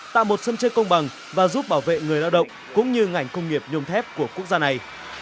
tạo một sân chơi công bằng và giúp bảo vệ người lao động cũng như ngành công nghiệp nhôm thép của quốc gia này